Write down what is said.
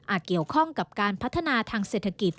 เกี่ยวข้องกับการพัฒนาทางเศรษฐกิจ